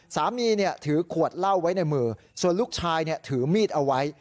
ถือขวดเหล้าไว้ในมือส่วนลูกชายถือมีดเอาไว้